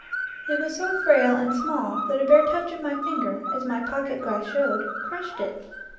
It was so frail and small that a bare touch of my finger, as my pocket glass showed, crushed it.